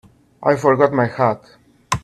I forgot my hat.